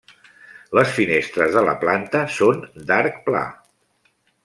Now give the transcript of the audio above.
Les finestres de la planta són d'arc pla.